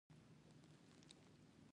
چینایي متل وایي هوښیار په خپله پرېکړه کوي.